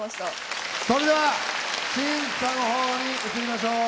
それでは審査の方に移りましょう。